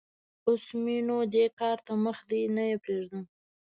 اوس م ېنو دې کار ته مخ دی؛ نه يې پرېږدم.